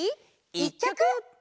１きょく！